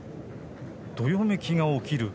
どよめきが起きる。